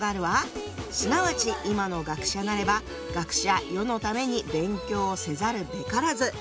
「すなわち今の学者なれば学者世のために勉強をせざるべからず」。